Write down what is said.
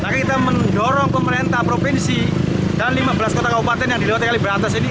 kita mendorong pemerintah provinsi dan lima belas kota kabupaten yang diluat kali brantas ini